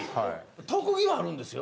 特技はあるんですよ。